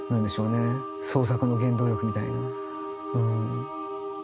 創作の原動力みたいなうん。